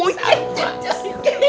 ya ampun ustazan